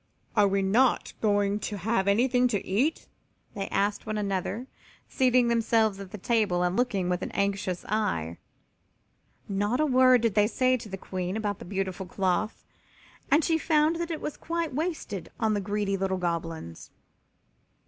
"Are not they going to have anything to eat?" they asked one another, seating themselves at the table and looking with anxious eye. Not a word did they say to the Queen about the beautiful cloth, and she found that it was quite wasted on the greedy little Goblins.